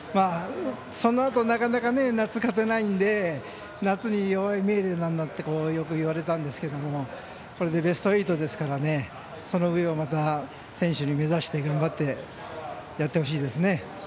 そのあと、なかなか夏勝てないので夏に弱いイメージなんだってよく言われたんだけどもこれでベスト８ですからその上を、また選手に目指して頑張ってってほしいですね。